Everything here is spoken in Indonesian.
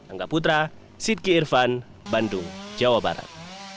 angga putra siti irvan bandung jawa barat